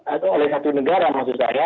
atau oleh satu negara maksudnya